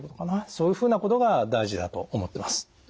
そういうふうなことが大事だと思ってます。